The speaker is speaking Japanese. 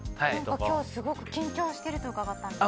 今日すごく緊張してると伺ったんですが。